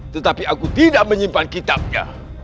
tetapi aku tidak menyimpan kitabnya